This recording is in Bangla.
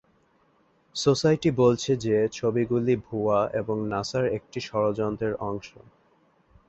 সোসাইটি বলছে যে, ছবিগুলি ভুয়া এবং নাসার একটি ষড়যন্ত্রের অংশ।